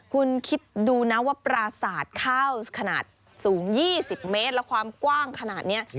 คุณคิดดูนะว่าปราสาทข้าวขนาดสูง๒๐เมตรและความกว้างขนาดนี้